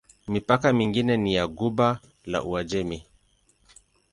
Mipaka mingine ni ya Ghuba ya Uajemi.